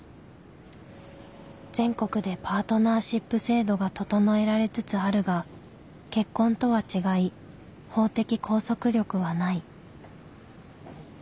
全国でパートナーシップ制度が整えられつつあるが結婚とは違い法的拘束力はない。